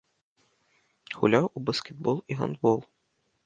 Гуляў у баскетбол і гандбол.